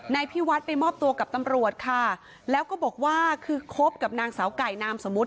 พี่วัดไปมอบตัวกับตำรวจค่ะแล้วก็บอกว่าคือคบกับนางสาวไก่นามสมมุติ